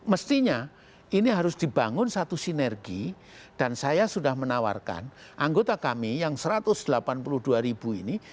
mestinya ini harus dibangun satu sinergi dan saya sudah menawarkan anggota kami yang satu ratus delapan puluh dua ribu ini